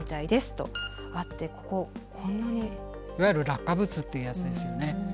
いわゆる落下物っていうやつですよね。